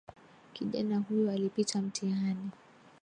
Kijana huyo alipita mitihani